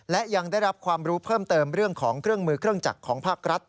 และยังได้รับความรู้เพิ่มเติมเรื่องของเครื่องมือเครื่องจักรของภาครัฐ